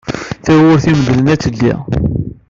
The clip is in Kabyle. Tawwurt imedlen ad teldi.